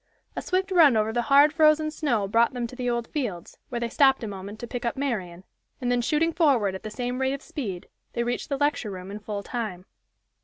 A swift run over the hard, frozen snow brought them to Old Fields, where they stopped a moment to pick up Marian, and then shooting forward at the same rate of speed, they reached the lecture room in full time.